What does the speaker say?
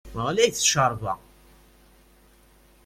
Ɣlayet ccerba!